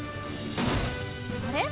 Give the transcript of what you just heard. あれ？